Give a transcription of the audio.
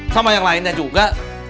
sama yang lainnya juga